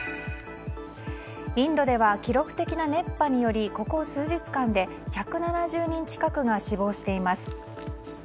インドでは記録的な熱波によりここ数日間で１７０人近くが死亡しています。